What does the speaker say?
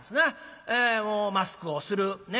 マスクをする。ね？